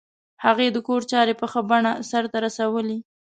هغې د کور چارې په ښه بڼه سرته رسولې